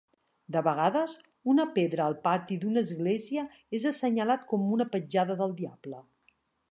De vegades, una pedra al pati d'una església és assenyalat com una petjada del diable.